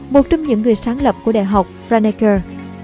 một trong những người sáng lập của đại học franecer